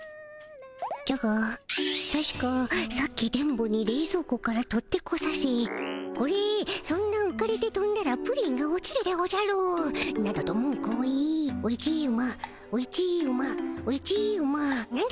じゃがたしかさっき電ボにれいぞう庫から取ってこさせ「これそんなうかれてとんだらプリンが落ちるでおじゃる」などと文句を言い「おいちうまおいちうま」「おいちうま」「なんでございます？